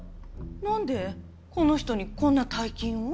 なんでこの人にこんな大金を？